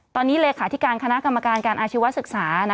ตอนนี้เลขาธิการคณะกรรมการการอาชีวศึกษา